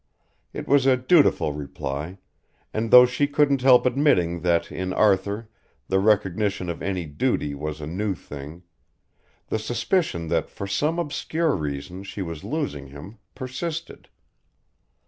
It was a dutiful reply, and though she couldn't help admitting that in Arthur the recognition of any duty was a new thing, the suspicion that for some obscure reason she was losing him, persisted.